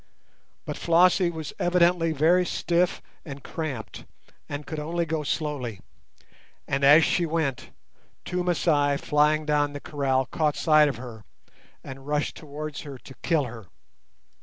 But Flossie was evidently very stiff and cramped, and could only go slowly, and as she went two Masai flying down the kraal caught sight of her and rushed towards her to kill her.